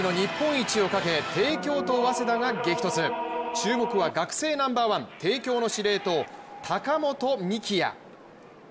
注目は学生ナンバーワン帝京の司令塔・高本幹也。